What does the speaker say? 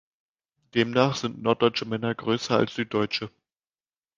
Demnach sind norddeutsche Männer größer als süddeutsche.